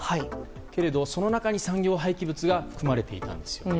けれど、その中に産業廃棄物が含まれていたんですよね。